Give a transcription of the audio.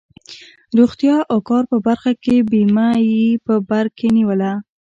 روغتیا او کار په برخه کې بیمه یې په بر کې نیوله.